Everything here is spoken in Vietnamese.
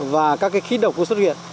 và các khí độc cũng xuất hiện